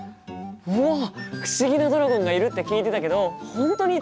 うわっ不思議なドラゴンがいるって聞いてたけど本当にいたんだ！